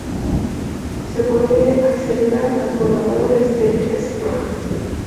Se puede acceder con transbordador desde Esbjerg.